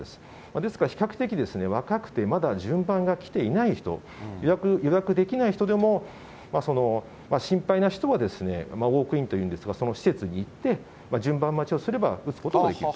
ですから比較的若くて、まだ順番が来ていない人、予約できない人でも、心配な人はウォークインというんですが、その施設に行って、順番待ちをすれば打つことができると。